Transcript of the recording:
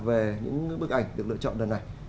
về những bức ảnh được lựa chọn lần này